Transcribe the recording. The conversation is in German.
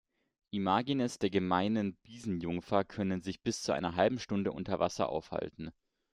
Imagines der Gemeinen Binsenjungfer können sich bis zu einer halben Stunde unter Wasser aufhalten.